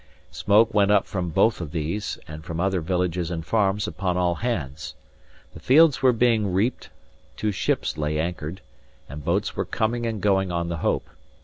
Smoke went up from both of these, and from other villages and farms upon all hands. The fields were being reaped; two ships lay anchored, and boats were coming and going on the Hope.